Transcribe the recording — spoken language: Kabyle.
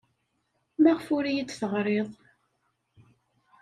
Maɣef ur iyi-d-teɣriḍ?